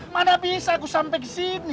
mana bisa aku sampai ke sini